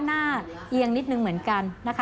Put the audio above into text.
หน้าเยี่ยมนิดหนึ่งเหมือนกัน